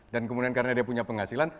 dan kemudian karena dia punya penghasilan